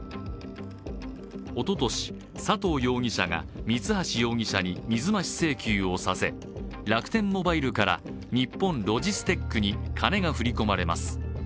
おととし、佐藤容疑者が三橋容疑者に水増し請求をさせ楽天モバイルから日本ロジステックに金が振り込まれます。